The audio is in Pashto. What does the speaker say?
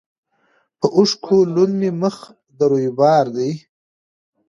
په اوښکو لوند مي مخ د رویبار دی